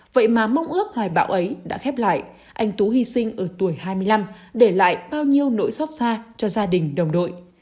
vậy mà mong ước hoài bão ấy đã khép lại anh tú hy sinh ở tuổi hai mươi năm để lại bao nhiêu nỗi xót xa cho gia đình đồng đội